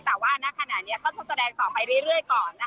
แต่ว่าณขณะนี้ก็จะแสดงต่อไปเรื่อยก่อน